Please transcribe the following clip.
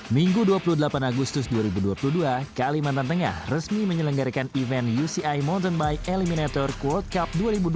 minggu dua puluh delapan agustus dua ribu dua puluh dua kalimantan tengah resmi menyelenggarakan event uci mountain bike eliminator world cup dua ribu dua puluh